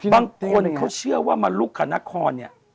บางคนเค้าเชื่อว่ามาุรุคคนนครเนี่ย